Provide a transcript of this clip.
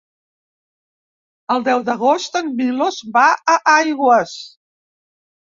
El deu d'agost en Milos va a Aigües.